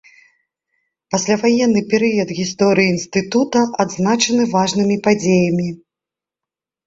Пасляваенны перыяд гісторыі інстытута адзначаны важнымі падзеямі.